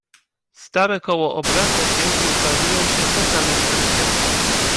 "Stare koło obraca się i ukazują się te same szprychy."